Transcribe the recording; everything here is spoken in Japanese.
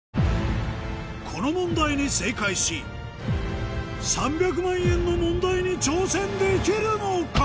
この問題に正解し３００万円の問題に挑戦できるのか？